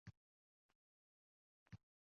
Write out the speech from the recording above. Nahotki, ishqsizlik solmasa qo’rquv!